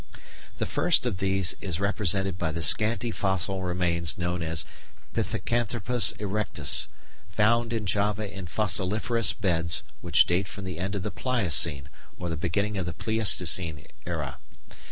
The first of these is represented by the scanty fossil remains known as Pithecanthropus erectus, found in Java in fossiliferous beds which date from the end of the Pliocene or the beginning of the Pleistocene era.